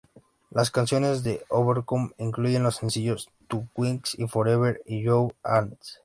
Las canciones de Overcome incluyen los sencillos Two Weeks y Forever In Your Hands.